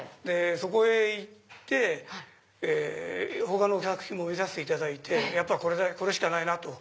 そこへ行って他の作品も見させていただいてやっぱこれしかないなと。